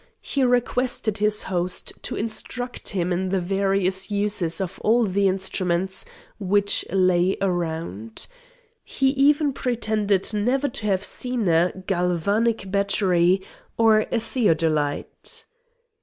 He requested his host to instruct him in the various uses of all the instruments which lay around. He even pretended never to have seen a galvanic battery or a theodolite.